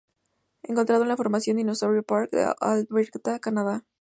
Encontrado en la Formación Dinosaur Park de Alberta, Canadá.